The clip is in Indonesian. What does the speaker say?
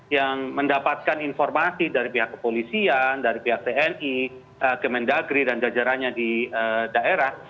yang mendapatkan informasi dari pihak kepolisian dari pihak tni kemendagri dan jajarannya di daerah